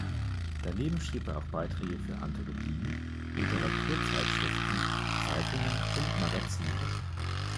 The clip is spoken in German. Daneben schrieb er auch Beiträge für Anthologien, Literaturzeitschriften, Zeitungen und Magazine.